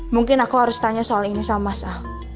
mungkin aku harus tanya soal ini sama mas ah